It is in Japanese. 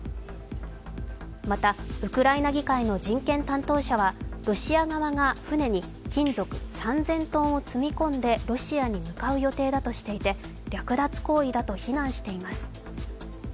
またウクライナ議会の人権担当者はロシア側が船に金属３０００ｔを積み込んでロシアに向かう予定だとしていて略奪行為だと非難しています。